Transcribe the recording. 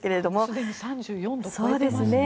すでに３４度を超えていますね。